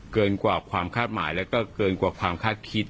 เกินกว่าความคาดหมายแล้วก็เกินกว่าความคาดคิด